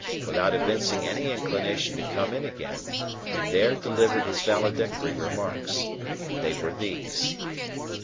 Without evincing any inclination to come in again, he there delivered his valedictory remarks. They were these.